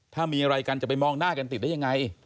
ถ้ามีอะไรกันจะไปมองหน้ากันติดได้ยังไง